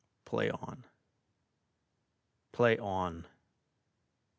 ]PLAY on! Play on!